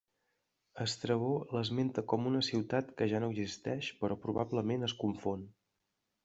Estrabó l'esmenta com una ciutat que ja no existeix però probablement es confon.